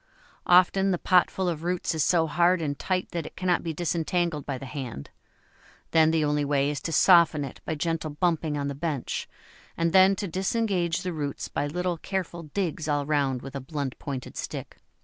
Often the potful of roots is so hard and tight that it cannot be disentangled by the hand; then the only way is to soften it by gentle bumping on the bench, and then to disengage the roots by little careful digs all round with a blunt pointed stick.